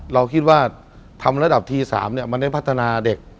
เราคิดว่าทำระดับที๓มันได้พัฒนาเด็ก